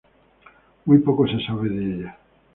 Muy poco se sabe de ella.